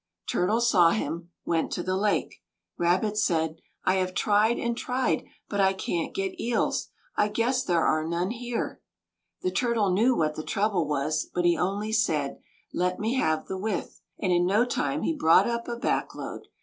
Turtle saw him, went to the lake. Rabbit said: "I have tried and tried; but I can't get eels. I guess there are none here." The Turtle knew what the trouble was; but he only said: "Let me have the withe;" and in no time he brought up a back load.